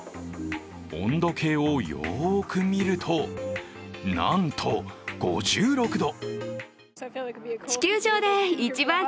温度計をよーく見ると、なんと５６度！